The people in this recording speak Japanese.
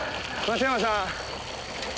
松山さん